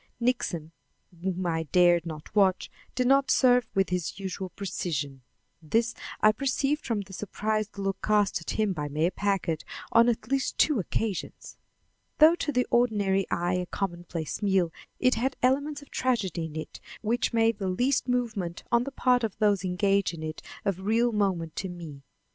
Nixon, whom I dared not watch, did not serve with his usual precision, this I perceived from the surprised look cast at him by Mayor Packard on at least two occasions. Though to the ordinary eye a commonplace meal, it had elements of tragedy in it which made the least movement on the part of those engaged in it of real moment to me.